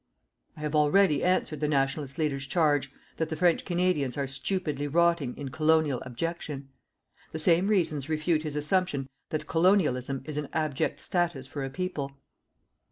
I have already answered the Nationalist leader's charge that the French Canadians are stupidly rotting in "COLONIAL ABJECTION." The same reasons refute his assumption that "COLONIALISM" is an abject status for a people.